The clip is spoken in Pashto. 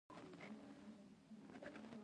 کلیوالي سیمې د دې پروګرام لومړنۍ قربانۍ وې.